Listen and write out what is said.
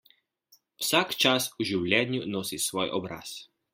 Vsak čas v življenju nosi svoj obraz.